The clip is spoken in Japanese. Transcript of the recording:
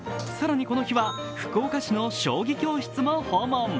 更にこの日は福岡市の将棋教室も訪問。